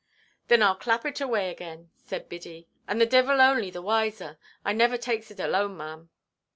"Thin Iʼll clap it away again," said Biddy, "and the divvil only the wiser. I never takes it alone, marm."